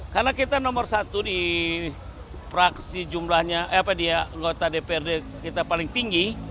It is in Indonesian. karena kita nomor satu di praksi jumlahnya apa dia gota dprd kita paling tinggi